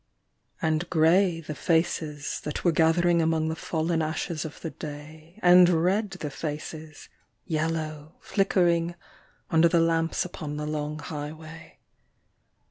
And grey the faces that were gathering among the fallen ashes of the day, And red the faces, yellow, flickering, under the lamps upon the long highway.